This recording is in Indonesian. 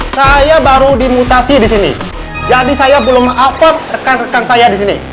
saya baru dimutasi disini jadi saya belum maafkan rekan rekan saya di sini